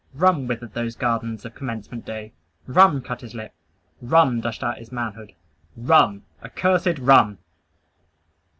Rum withered those garlands of commencement day. Rum cut his lip. Rum dashed out his manhood. RUM, accursed RUM!